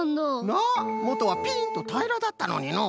なあもとはぴんとたいらだったのにのう。